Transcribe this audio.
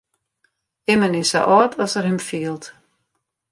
Immen is sa âld as er him fielt.